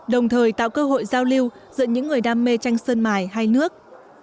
đồng thời tạo cơ hội giao lưu giữa những người đam mê tranh sơn mài hai nước